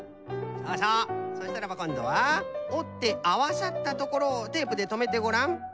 そうそう！そしたらばこんどはおってあわさったところをテープでとめてごらん。